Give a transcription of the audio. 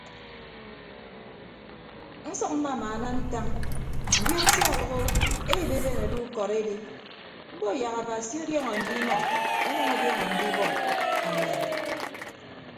Nsʌk mmamaana ntañ ndion sia adoho ebeeben ado ukọd edi mbo yak abasi ọdiọn andinọ ọnyʌñ ọdiọñ andibọ amen.